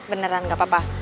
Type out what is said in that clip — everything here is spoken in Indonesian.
beneran gak apa apa